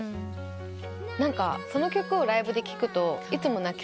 何かその曲をライブで聴くといつも泣きそうになる。